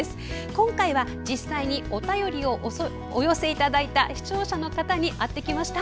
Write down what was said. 今回は実際にお便りをお寄せいただいた視聴者の方に会ってきました。